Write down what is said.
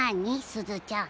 すずちゃん。